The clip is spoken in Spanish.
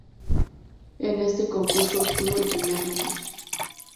En este concurso obtuvo el primer lugar.